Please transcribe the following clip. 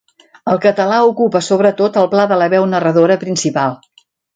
El català ocupa sobretot el pla de la veu narradora principal.